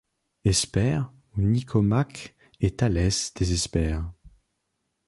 Espère où Nicomaque et Thalès désespèrent ;